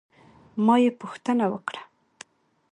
ما یې پوښتنه ونه کړه.